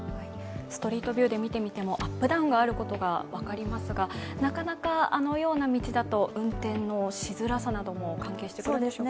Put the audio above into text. ストリートビューで見てもアップダウンがあることが分かりますが、あのような道だと運転のしづらさなども関係してきますか。